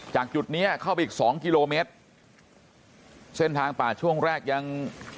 จากจุดเนี้ยเข้าไปอีกสองกิโลเมตรเส้นทางป่าช่วงแรกยัง